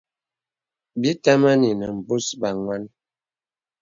Bī tə̄mēŋnì nə̀ būs banwan.